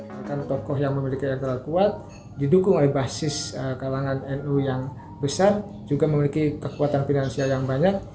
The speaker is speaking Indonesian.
bahkan tokoh yang memiliki elektoral kuat didukung oleh basis kalangan nu yang besar juga memiliki kekuatan finansial yang banyak